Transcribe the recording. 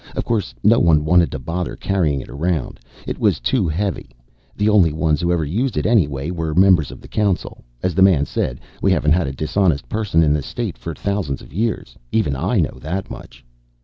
Of course, no one wanted to bother carrying it around. It was too heavy. The only ones who ever used it, anyway, were members of the council. As the man said, we haven't had a dishonest person in the State for thousands of years. Even I know that much.